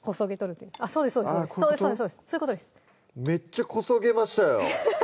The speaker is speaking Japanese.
めっちゃこそげましたよ